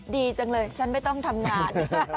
ดีจังเลยฉันไม่ต้องทำงาน